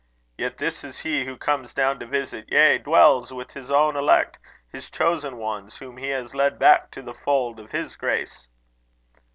Yet this is he who comes down to visit, yea, dwells with his own elect, his chosen ones, whom he has led back to the fold of his grace."